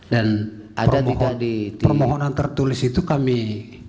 dan permohonan tertulis itu kami lakukan